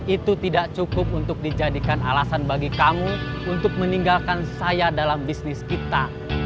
itu tidak cukup untuk dijadikan alasan bagi kamu untuk meninggalkan saya dalam bisnis kita